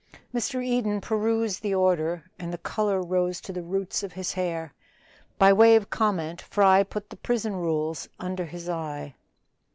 Mr. Eden perused the order, and the color rose to the roots of his hair. By way of comment Fry put the prison rules under his eye.